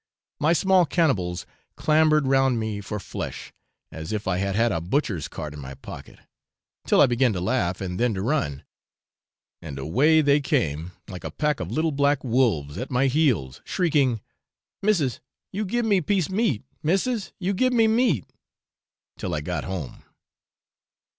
My small cannibals clamoured round me for flesh, as if I had had a butcher's cart in my pocket, till I began to laugh and then to run, and away they came, like a pack of little black wolves, at my heels, shrieking, 'Missis, you gib me piece meat, missis, you gib me meat,' till I got home.